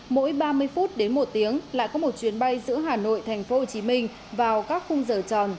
mỗi ba mươi phút đến một tiếng lại có một chuyến bay giữa hà nội tp hcm vào các khung giờ tròn